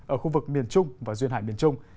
ở khu vực miền trung và duyên hải miền trung